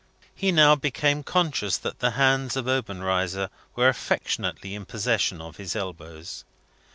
He now became conscious that the hands of Obenreizer were affectionately in possession of his elbows.